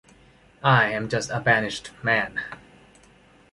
I am just a banished man.